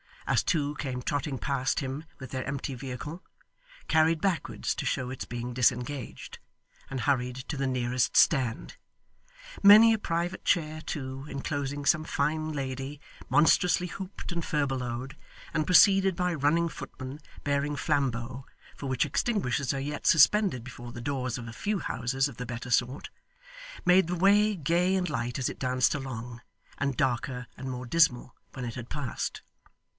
as two came trotting past him with their empty vehicle carried backwards to show its being disengaged and hurried to the nearest stand. Many a private chair, too, inclosing some fine lady, monstrously hooped and furbelowed, and preceded by running footmen bearing flambeaux for which extinguishers are yet suspended before the doors of a few houses of the better sort made the way gay and light as it danced along, and darker and more dismal when it had passed.